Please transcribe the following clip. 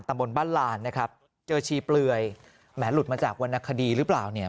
บนบ้านลานนะครับเจอชีเปลือยแหมหลุดมาจากวรรณคดีหรือเปล่าเนี่ย